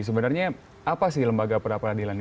sebenarnya apa sih lembaga peradilan ini